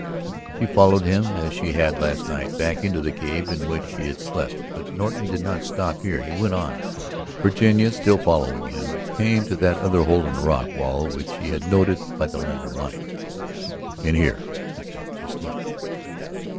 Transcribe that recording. She followed him as she had, last night, back into the cave in which she had slept. But Norton did not stop here. He went on, Virginia still following him, came to that other hole in the rock wall which she had noted by the lantern light. "In here," he said. "Just look."